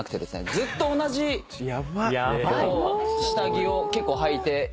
ずっと同じ下着を結構はいていて。